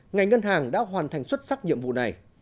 ngành ngân hàng đã hoàn thành xuất sắc nhiệm vụ này